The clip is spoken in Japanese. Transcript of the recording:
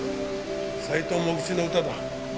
斎藤茂吉の歌だ。